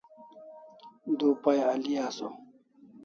Du pay al'i asaw